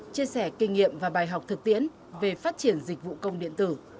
chia sẻ kinh nghiệm và bài học thực tiễn về phát triển dịch vụ công điện tử